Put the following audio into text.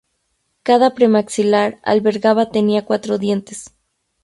Cada premaxilar albergaba tenía cuatro dientes.